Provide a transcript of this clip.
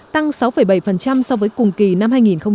tăng sáu bảy so với cùng kỳ năm hai nghìn một mươi tám